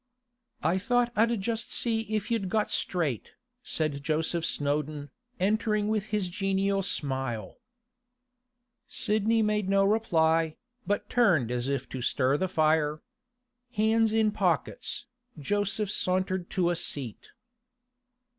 'I thought I'd just see if you'd got straight,' said Joseph Snowdon, entering with his genial smile. Sidney made no reply, but turned as if to stir the fire. Hands in pockets, Joseph sauntered to a seat.